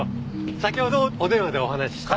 先ほどお電話でお話しした。